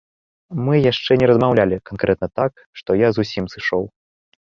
Мы яшчэ не размаўлялі канкрэтна так, што я зусім сышоў.